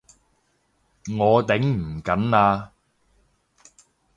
我頂唔緊喇！